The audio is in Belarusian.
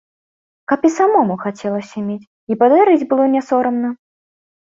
Каб і самому хацелася мець, і падарыць было не сорамна!